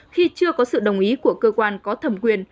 khi chưa có sự đồng ý của cơ quan có thẩm quyền